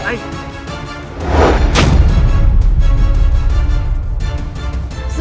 sebaiknya kita lapor anggaran